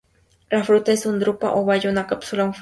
La fruta es una drupa, o baya, una cápsula o un folículo.